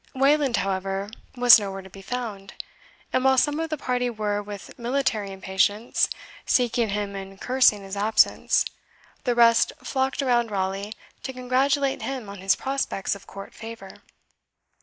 Wayland, however, was nowhere to be found; and while some of the party were, with military impatience, seeking him and cursing his absence, the rest flocked around Raleigh to congratulate him on his prospects of court favour.